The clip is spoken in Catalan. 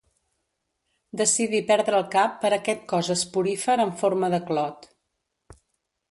Decidí perdre el cap per aquest cos esporífer en forma de clot.